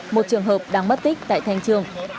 một trường hợp đang mất tích tại thanh trường